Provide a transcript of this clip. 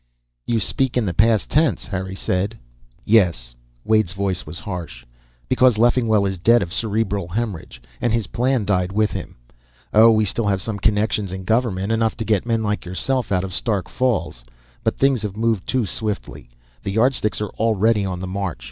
"You speak in the past tense," Harry said. "Yes." Wade's voice was harsh. "Because Leffingwell is dead, of cerebral hemorrhage. And his plan died with him. Oh, we still have some connections in government; enough to get men like yourself out of Stark Falls. But things have moved too swiftly. The Yardsticks are already on the march.